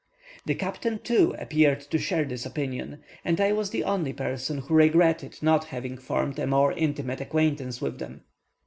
The captain, too, appeared to share this opinion, and I was the only person who regretted not having formed a more intimate acquaintance with them.